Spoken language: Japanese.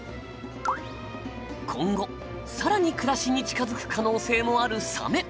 今後さらに暮らしに近づく可能性のあるサメ。